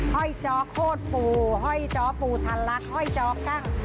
ห้อยเจ้าโคตรปูห้อยเจ้าปูทันลักษณ์ห้อยเจ้ากล้าง